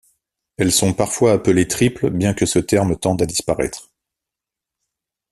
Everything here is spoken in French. Elles sont parfois appelées triples bien que ce terme tende à disparaître.